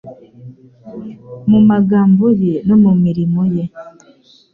Mu magambo ye no mu mirimo ye.